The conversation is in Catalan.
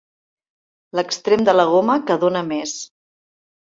L'extrem de la goma que dóna més.